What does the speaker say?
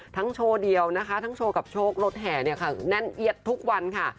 ทั้งโชว์เดียวทั้งโชว์กับโชว์รถแห่แน่นเอียดทุกวันค่ะ